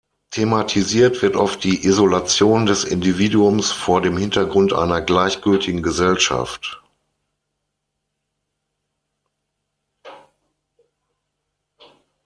Thematisiert wird oft die Isolation des Individuums vor dem Hintergrund einer gleichgültigen Gesellschaft.